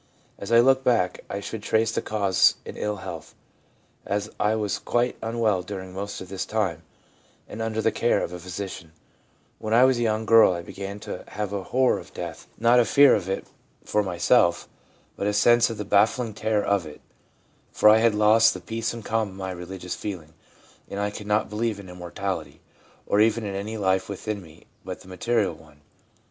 As I look back I should trace the cause in ill health, as I was quite unwell during most of this time, and under the care of a physician/ ' When I was a young girl I began to have a horror of death, not a fear of it for myself, but a sense of the baffling terror of it, for I had lost the peace and calm of my religious feeling, and I could not believe in immortality, or even in any life within me but the material one.